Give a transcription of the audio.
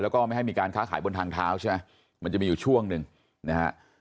แล้วก็ไม่ให้มีการค้าขายบนทางเท้าใช่ไหมมันจะมีอยู่ช่วงหนึ่งนะฮะ